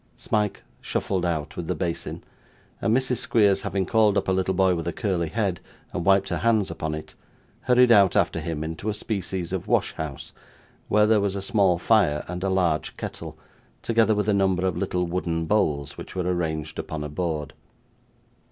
Smike shuffled out with the basin, and Mrs. Squeers having called up a little boy with a curly head, and wiped her hands upon it, hurried out after him into a species of wash house, where there was a small fire and a large kettle, together with a number of little wooden bowls which were arranged upon a board.